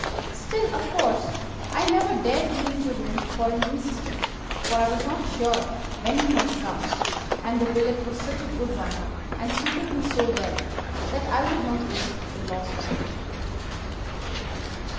Still, of course, I never dared to leave the room for an instant, for I was not sure when he might come, and the billet was such a good one, and suited me so well, that I would not risk the loss of it.